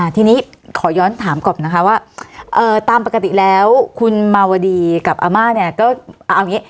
ทีนี้ขอย้อนถามก่อนนะคะว่าตามปกติแล้วคุณมาวดีกับอาม่าเนี่ยก็เอาอย่างนี้